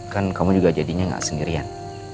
kan kamu juga jadinya gak sendirian